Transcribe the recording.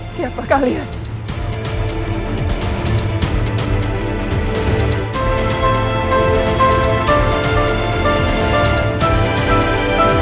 jangan bahkan mengganggu keluarga saya